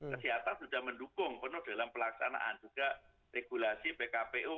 kesehatan sudah mendukung penuh dalam pelaksanaan juga regulasi pkpu